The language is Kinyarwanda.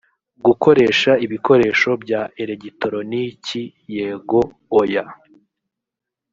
gukoresha ibikoresho bya elegitoroniki yego oya